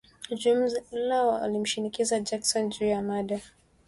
ujumla walimshinikiza Jackson juu ya mada